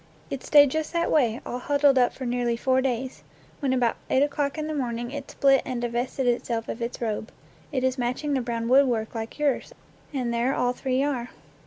It stayed just that way, all huddled up for nearly four days, when about eight o'clock in the morn ing it split and divested itself of its robe. It is matching the brown woodwork like yours, and there all three are!